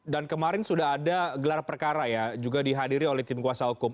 dan kemarin sudah ada gelar perkara ya juga dihadiri oleh tim kuasa hukum